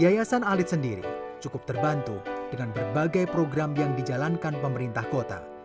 yayasan alit sendiri cukup terbantu dengan berbagai program yang dijalankan pemerintah kota